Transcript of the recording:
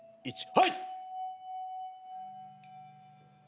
はい！